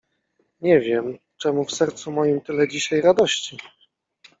Nie wiem, czemu w sercu moim tyle dzisiaj radości?